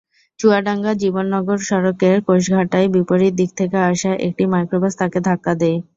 চুয়াডাঙ্গা-জীবননগর সড়কের কোষাঘাটায় বিপরীত দিক থেকে আসা একটি মাইক্রোবাস তাঁকে ধাক্কা দেয়।